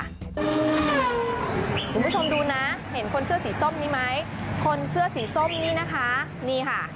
คุณผู้ชมดูนะเห็นคนเสื้อสีส้มนี้ไหมคนเสื้อสีส้มนี่นะคะนี่ค่ะ